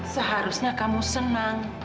seharusnya kamu senang